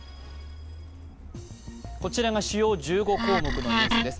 こちらが主要１５項目のニュースです。